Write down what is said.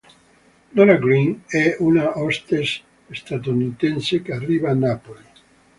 Nora Green è una hostess statunitense che arriva a Napoli.